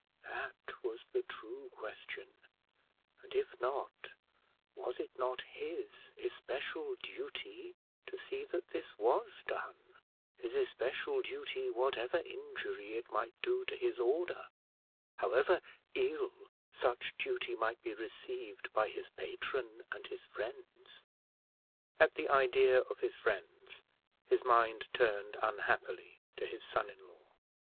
that was the true question: and if not, was it not his especial duty to see that this was done, his especial duty, whatever injury it might do to his order, however ill such duty might be received by his patron and his friends? At the idea of his friends, his mind turned unhappily to his son in law.